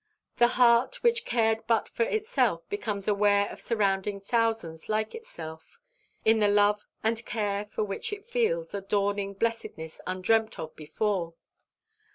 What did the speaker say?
The heart, which cared but for itself, becomes aware of surrounding thousands like itself, in the love and care of which it feels a dawning blessedness undreamt of before.